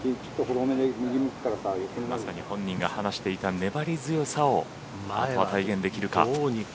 まさに本人が話していた粘り強さをあとは体現できるか。